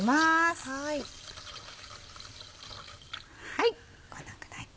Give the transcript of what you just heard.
はいこのくらい。